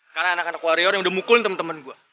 karena anak anak warrior yang udah mukulin temen temen gue